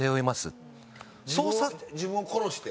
自分を殺して？